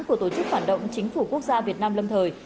của tổ chức phản động chính phủ quốc gia việt nam lâm thời